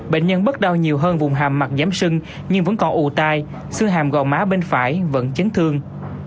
bệnh nhân bớt đau nhiều hơn vùng hàm mặt giám sưng nhưng vẫn còn ụ tai xương hàm gò má bên phải vẫn chấn thương